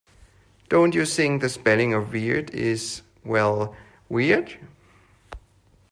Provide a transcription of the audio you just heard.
Don't you think the spelling of weird is, well, weird?